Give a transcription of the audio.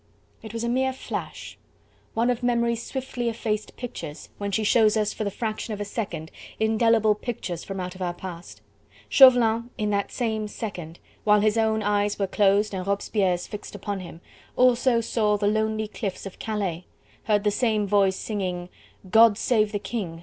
It was a mere flash! One of memory's swiftly effaced pictures, when she shows us for the fraction of a second, indelible pictures from out our past. Chauvelin, in that same second, while his own eyes were closed and Robespierre's fixed upon him, also saw the lonely cliffs of Calais, heard the same voice singing: "God save the King!"